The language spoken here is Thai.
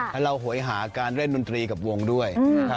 และเราหวยหาการเล่นดนตรีกับวงด้วย